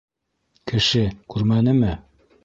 Кеше... күрмәнеме...